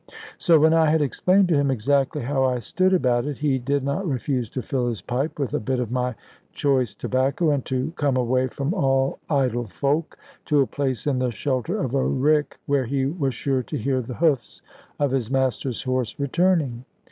So, when I had explained to him exactly how I stood about it, he did not refuse to fill his pipe with a bit of my choice tobacco, and to come away from all idle folk, to a place in the shelter of a rick, where he was sure to hear the hoofs of his master's horse returning.